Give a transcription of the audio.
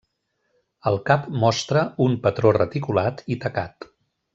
El cap mostra un patró reticulat i tacat.